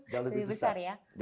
jauh lebih besar ya